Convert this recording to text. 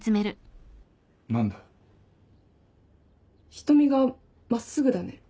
瞳が真っすぐだね。